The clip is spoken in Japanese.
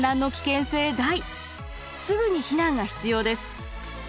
すぐに避難が必要です。